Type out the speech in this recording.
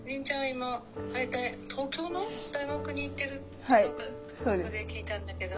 今東京の大学に行ってるって何かうわさで聞いたんだけど。